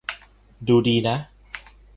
ดูดีนะ